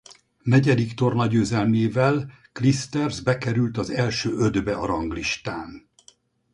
Negyedik tornagyőzelmével Clijsters bekerült az első ötbe a ranglistán.